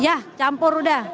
ya campur udah